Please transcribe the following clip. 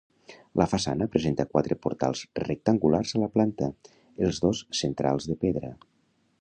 La façana presenta quatre portals rectangulars a la planta, els dos centrals de pedra.